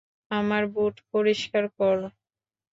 আমার বুট পরিষ্কার কর।